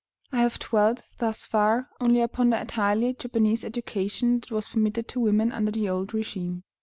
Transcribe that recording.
[*49] I have dwelt thus far only upon the entirely Japanese education that was permitted to women under the old régime.